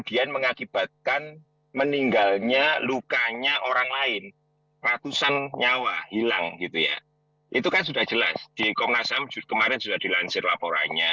itu kan sudah jelas di komnas ham kemarin sudah dilansir laporannya